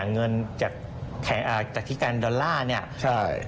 เงินจากธิการดอลลาร์เนี่ย